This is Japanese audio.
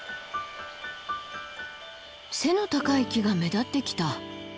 背の高い木が目立ってきた。